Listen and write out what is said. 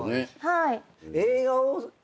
はい。